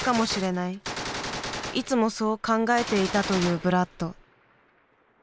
いつもそう考えていたというブラッド。